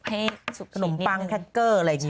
ให้สุกขีดนิดนึงขนมปังแค็กเกอร์อะไรแบบนี้